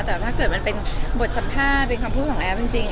แต่ถ้าเกิดมันเป็นบทสัมภาษณ์เป็นคำพูดของแอฟจริง